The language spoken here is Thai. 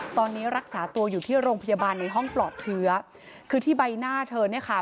ตอนนี้รักษาตัวอยู่ที่โรงพยาบาลในห้องปลอดเชื้อคือที่ใบหน้าเธอเนี่ยค่ะ